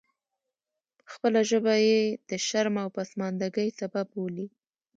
خپله ژبه یې د شرم او پسماندګۍ سبب بولي.